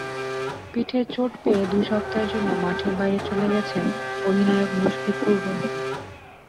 পিঠে চোট পেয়ে দুই সপ্তাহের জন্য মাঠের বাইরে চলে গেছেন অধিনায়ক মুশফিকুর রহিম।